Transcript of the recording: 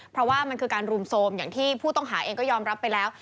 เพราะว่ามันคือการรุมโทรมอย่างที่ผู้ต้องหาเองก็ยอมรับไปแล้ว